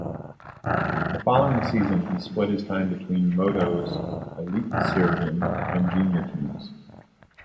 The following season, he split his time between Modo's Elitserien and junior teams.